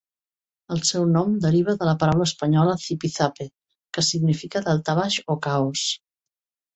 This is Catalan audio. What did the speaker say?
El seu nom deriva de la paraula espanyola "zipizape", que significa "daltabaix" o "caos".